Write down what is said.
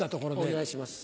お願いします。